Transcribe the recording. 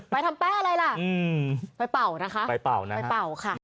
ไปทำแป้อะไรล่ะไปเป่านะคะไปเป่านะไปเป่าค่ะ